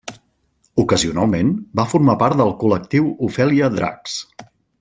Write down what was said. Ocasionalment va formar part del col·lectiu Ofèlia Dracs.